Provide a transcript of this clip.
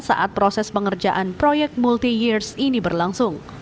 saat proses pengerjaan proyek multi years ini berlangsung